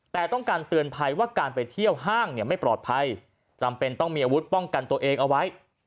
แต่ต้องการเตือนภัยว่าการไปเที่ยวห้างเนี่ยไม่ปลอดภัยจำเป็นต้องมีอาวุธป้องกันตัวเองเอาไว้